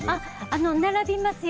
並びますよ。